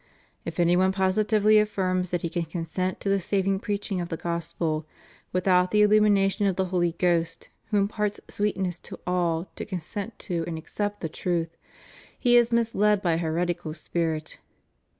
"If any one positively affirms that he can consent to the saving preaching of the Gospel without the illumination of the Holy Ghost, who imparts sweetness to all to consent to and accept the truth, he is misled by a heretical spirit."